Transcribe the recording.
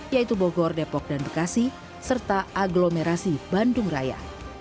yaitu bogor depok dan bekasi serta agglomerasi bandung raya